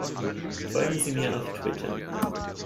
Folgen Sie mir auf Twitter!